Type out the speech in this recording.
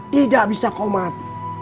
tidak bisa komat